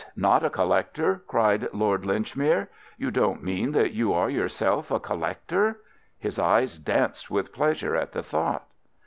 not a collector?" cried Lord Linchmere. "You don't mean that you are yourself a collector?" His eyes danced with pleasure at the thought.